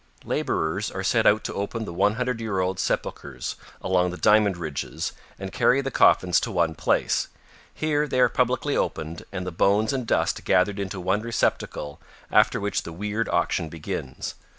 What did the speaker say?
Laborers are sent out to open the one hundred year old sepulchers along the diamond ridges and carry the coffins to one place. Here they are publicly opened and the bones and dust gathered into one receptacle after which the weird auction begins.